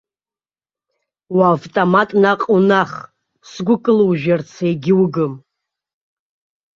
Уавтомат наҟ унах, сгәы кылужәарц егьугым.